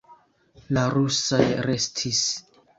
La rusaj restis.